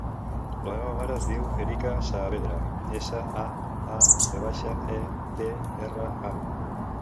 La meva mare es diu Erika Saavedra: essa, a, a, ve baixa, e, de, erra, a.